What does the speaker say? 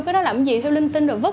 cái đó làm gì theo linh tinh rồi vứt